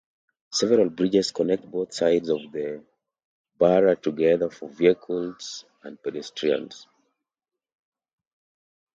Several bridges connect both sides of the borough together for vehicles and pedestrians.